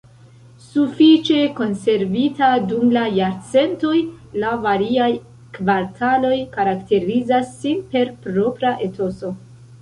Sufiĉe konservita dum la jarcentoj, la variaj kvartaloj karakterizas sin per propra etoso.